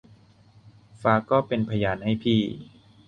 ฟ้าก็เป็นพยาน ให้พี่